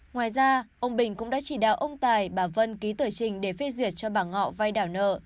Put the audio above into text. ngoài ra ông bình cũng đã chỉ đạo ông tài bà vân ký tử trình để phi duyệt cho bảng ngọ vay đảo nợ